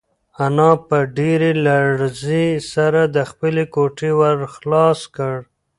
انا په ډېرې لړزې سره د خپلې کوټې ور خلاص کړ.